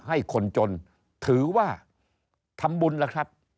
ให้คนจนถือว่าทำบุญแล้วครับ